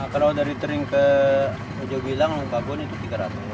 kalau dari tering ke ujogilang mabukun itu tiga ratus